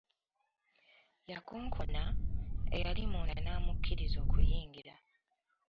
Yakonkona, eyali munda n’amukkiriza okuyingira.